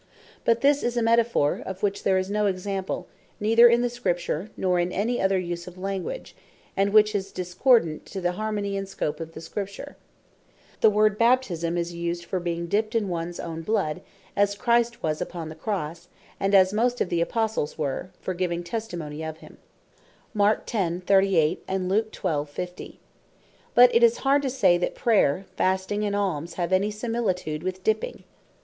But this is a Metaphor, of which there is no example, neither in the Scripture, nor in any other use of language; and which is also discordant to the harmony, and scope of the Scripture. The word Baptisme is used (Mar. 10. 38. & Luk. 12. 59.) for being Dipped in ones own bloud, as Christ was upon the Cross, and as most of the Apostles were, for giving testimony of him. But it is hard to say, that Prayer, Fasting, and Almes, have any similitude with Dipping.